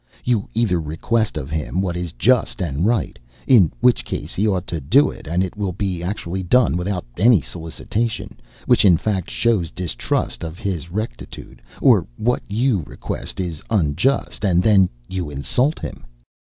You either request of him what is just and right, in which case he ought to do it, and it will be actually done without any solicitation, which in fact, shows distrust of his rectitude; or what you request is unjust, and then you insult him.